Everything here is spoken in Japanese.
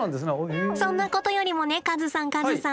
そんなことよりもねカズさんカズさん